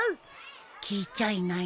聞いちゃいないね。